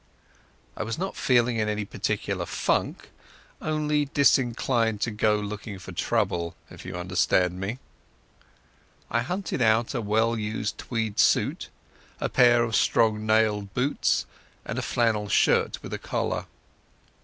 I was not feeling in any particular funk; only disinclined to go looking for trouble, if you understand me. I hunted out a well used tweed suit, a pair of strong nailed boots, and a flannel shirt with a collar.